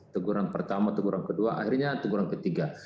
teguran pertama teguran kedua akhirnya teguran ketiga